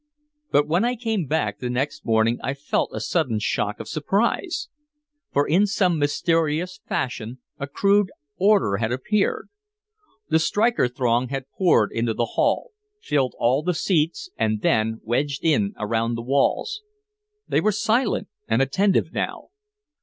But when I came back the next morning I felt a sudden shock of surprise. For in some mysterious fashion a crude order had appeared. The striker throng had poured into the hall, filled all the seats and then wedged in around the walls. They were silent and attentive now.